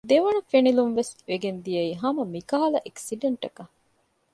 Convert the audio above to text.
ދެވަނަ ފެނިލުންވެސް ވެގެން ދިޔައީ ހަމަ މިކަހަލަ އެކްސިޑެންޓަކަށް